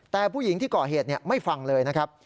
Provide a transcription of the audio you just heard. แต่ผู้หญิงที่ก่อเหตุไม่ฟังเลยนะครับ